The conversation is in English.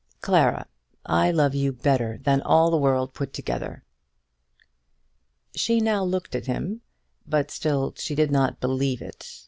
Clara, I love you better than all the world put together." She now looked at him; but still she did not believe it.